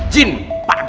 jin pak b